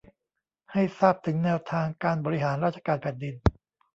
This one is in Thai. ให้ทราบถึงแนวทางการบริหารราชการแผ่นดิน